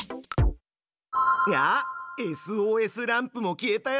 あっＳＯＳランプも消えたよ。